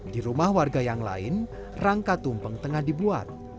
di rumah warga yang lain rangka tumpeng tengah dibuat